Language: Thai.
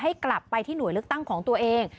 ให้กลับไปที่หน่วยเลือกตั้งของตัวเอง